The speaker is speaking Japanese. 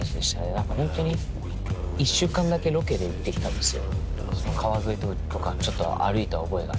何かホントに１週間だけロケで行ってきたんですよ。